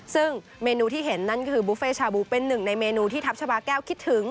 ซึ่งเมนูที่เห็นนั่นก็คือบุฟเฟ่ชาบูเป็นหนึ่งในเมนูที่ทัพชาบาแก้วคิดถึง